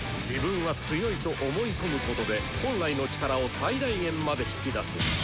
「自分は強い」と思い込むことで本来の力を最大限まで引き出す。